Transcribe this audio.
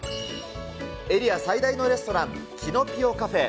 エリア最大のレストラン、キノピオ・カフェ。